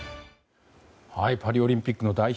パリオリンピックの代表